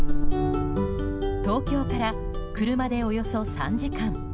東京から車でおよそ３時間。